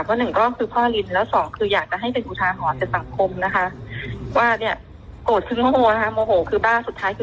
คนที่ใจร้อนอยู่จะได้ระวังค่ะ